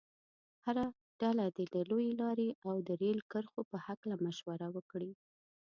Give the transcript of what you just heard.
هره ډله دې د لویې لارې او د ریل کرښو په هلکه مشوره وکړي.